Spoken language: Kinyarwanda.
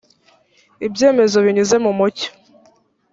ibyemezo binyuze mu mucyo